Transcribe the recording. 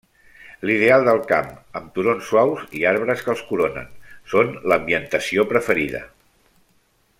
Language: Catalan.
L'ideal del camp, amb turons suaus i arbres que els coronen, són l'ambientació preferida.